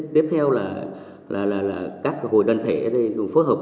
tiếp theo là các hội đơn thể phối hợp với chính quyền là nỗ lực để cùng tuyên truyền